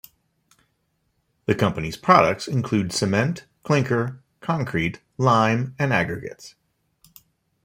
The company's products include cement, clinker, concrete, lime, and aggregates.